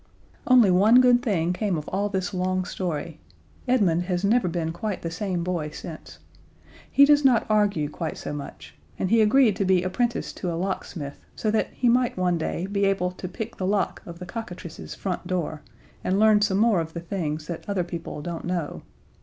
Only one good thing came of all this long story. Edmund has never been quite the same boy since. He does not argue quite so much, and he agreed to be apprenticed to a locksmith, so that he might one day be able to pick the lock of the cockatrice's front door and learn some more of the things that other people don't know.